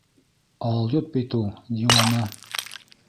Алйот бит ул, диуана!